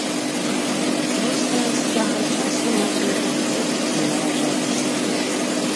Проста, з цягам часу нейкія такія песні нараджаліся.